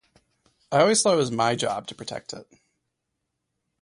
I always thought it was my job to protect it.